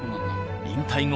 引退後